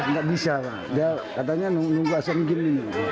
tidak bisa pak katanya menunggu asal begini